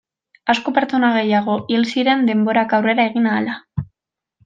Asko pertsona gehiago hil ziren denborak aurrera egin ahala.